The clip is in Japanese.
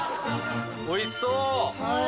おいしそう！